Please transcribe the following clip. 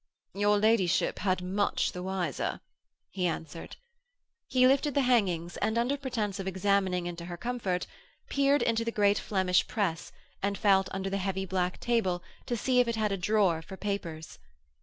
'Your ladyship had much the wiser,' he answered. He lifted the hangings and, under pretence of examining into her comfort, peered into the great Flemish press and felt under the heavy black table to see if it had a drawer for papers.